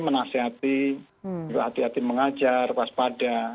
menasihati hati hati mengajar waspada